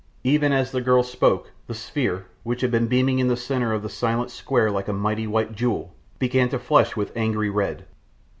Even as the girl spoke, the sphere, which had been beaming in the centre of the silent square like a mighty white jewel, began to flush with angry red.